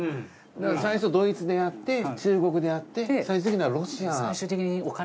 最初ドイツでやって中国でやって最終的にはロシア。